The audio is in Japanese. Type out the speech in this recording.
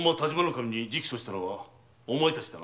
守に直訴したのはお前たちだな？